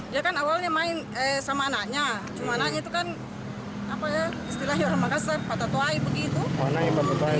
dia kan awalnya main sama anaknya cuma anaknya itu kan apa ya istilahnya orang makassar patatuai begitu